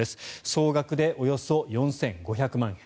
総額でおよそ４５００万円。